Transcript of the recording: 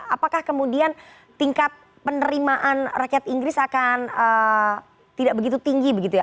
apakah kemudian tingkat penerimaan rakyat inggris akan tidak begitu tinggi begitu ya